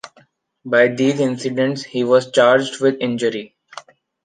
By these incidents he was charged with injury.